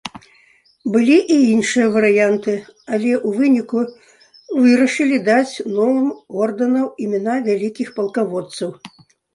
Былі і іншыя варыянты, але ў выніку вырашылі даць новым ордэнаў імёны вялікіх палкаводцаў.